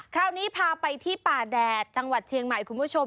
คราวนี้พาไปที่ป่าแดดจังหวัดเชียงใหม่คุณผู้ชม